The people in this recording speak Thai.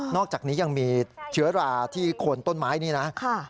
อกจากนี้ยังมีเชื้อราที่โคนต้นไม้นี่นะ